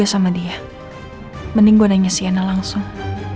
setelah menang lebih langsung